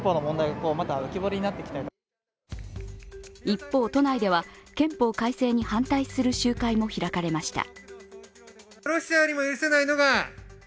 一方、都内では憲法改正に反対する集会も開かれました。